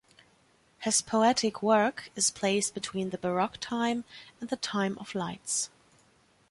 His poetic work is placed between the baroque time and the time of lights.